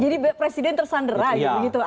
jadi presiden tersandar aja gitu